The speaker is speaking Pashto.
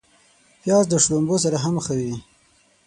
پیاز د شړومبو سره هم ښه وي